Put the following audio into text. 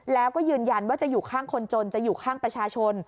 แล้วก็ยืนยันว่าจะอยู่ข้างคนจนจะอยู่ข้างประชาชน